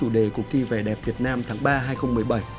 dự thi vẻ đẹp việt nam tháng ba hai nghìn một mươi bảy